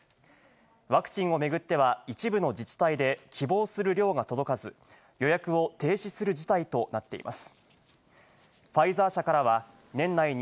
ワクチンを巡っては、一部の自治体で希望する量が届かず、予約を停止する事態となっています。